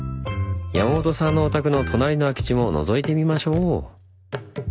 山本さんのお宅の隣の空き地ものぞいてみましょう！